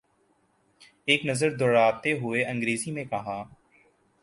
ایک نظر دوڑاتے ہوئے انگریزی میں کہا۔